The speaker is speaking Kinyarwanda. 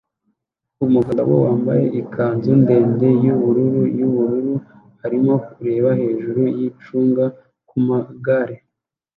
Umugabo wambaye ikanzu ndende yubururu yubururu arimo kureba hejuru yicunga kumagare